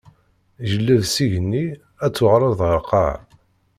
Jelleb s igenni, ad d-tuɣaleḍ ɣeṛ lqaɛa.